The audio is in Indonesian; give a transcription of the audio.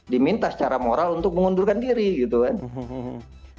diminta secara moral untuk mengundurkan diri gitu kan